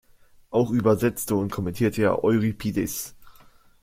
Auch übersetzte und kommentierte er Euripides.